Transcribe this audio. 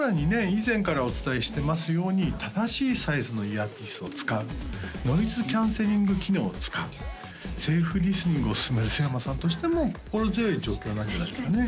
以前からお伝えしてますように正しいサイズのイヤーピースを使うノイズキャンセリング機能を使うセーフリスニングをすすめる須山さんとしても心強い状況なんじゃないですかね？